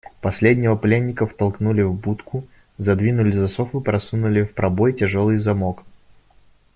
Последнего пленника втолкнули в будку, задвинули засов и просунули в пробой тяжелый замок.